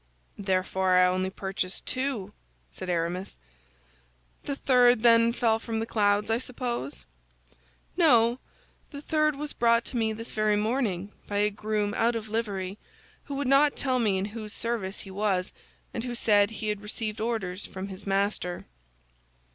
"Therefore I only purchased two," said Aramis. "The third, then, fell from the clouds, I suppose?" "No, the third was brought to me this very morning by a groom out of livery, who would not tell me in whose service he was, and who said he had received orders from his master."